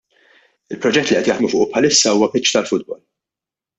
Il-proġett li qed jaħdmu fuqu bħalissa huwa pitch tal-futbol.